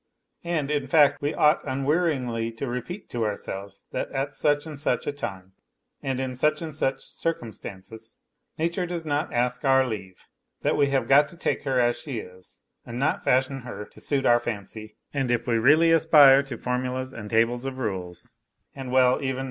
And, in fact, \\e ought unwearyingly to repeat to ourselves that at such and such a time and in such and such circumstances nature docs not ask our < i ; that we have got to take her as she is and not fashion her to suit our fancy, and if we really aspire to formulas and tables of rules, and well, even